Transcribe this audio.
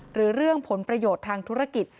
หรือเรื่องผลประโยชน์ทางธุรกิจ